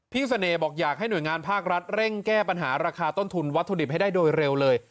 เสน่ห์บอกอยากให้หน่วยงานภาครัฐเร่งแก้ปัญหาราคาต้นทุนวัตถุดิบให้ได้โดยเร็วเลย